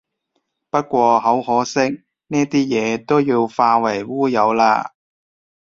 不過好可惜，呢啲嘢都要化為烏有喇